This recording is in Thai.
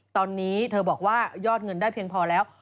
ตอนนี้เธอบอกว่ายอดเงินได้เพียงพอแล้ว